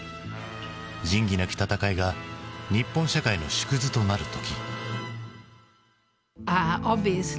「仁義なき戦い」が日本社会の縮図となる時。